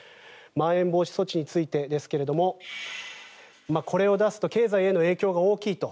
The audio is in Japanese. まん延防止措置についてですがこれを出すと経済への影響が大きいと。